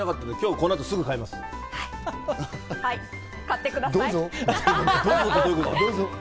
どうぞ。